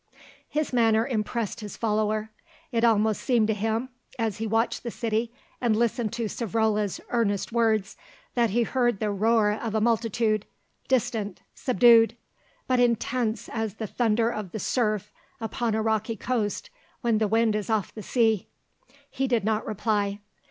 His manner impressed his follower. It almost seemed to him, as he watched the city and listened to Savrola's earnest words, that he heard the roar of a multitude, distant, subdued, but intense as the thunder of the surf upon a rocky coast when the wind is off the sea. He did not reply.